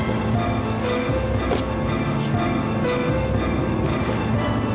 ya kenapa aku harus ngasih tau kamu